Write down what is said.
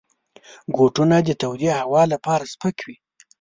بوټونه د تودې هوا لپاره سپک وي.